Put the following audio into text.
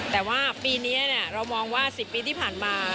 แต่ว่าปีนี้เนี่ยเรามองว่าสิบปีที่ผ่านมา